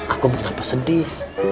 aku kenapa sedih